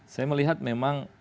saya melihat memang